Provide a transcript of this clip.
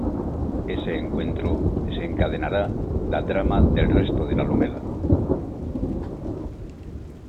Ese encuentro desencadenará la trama del resto de la novela.